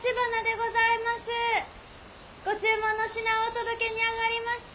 ご注文の品をお届けにあがりました。